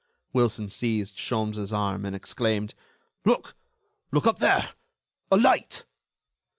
Wilson seized Sholmes' arm, and exclaimed: "Look!... Look up there!... A light...."